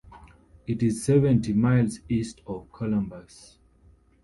It is seventy miles east of Columbus.